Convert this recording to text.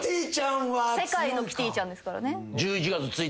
世界のキティちゃんですからね。